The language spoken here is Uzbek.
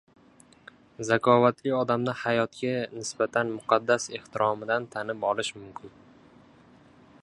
Zakovatli odamni hayotga nis-batan muqaddas ehtiromidan tanib olish mumkin.